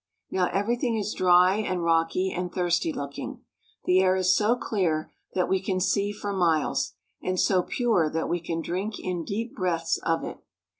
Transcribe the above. Now everything is dry and rocky and thirsty look ing. The air is so clear that we can see for miles, and so pure that we drink in deep breaths of it.